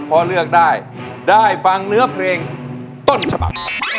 พอเลือกได้ได้ฟังเนื้อเพลงต้นฉบับ